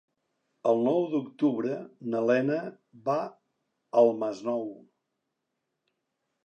El nou d'octubre na Lena va al Masnou.